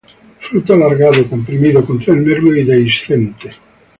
Fruto alargado, comprimido, con tres nervios y dehiscente.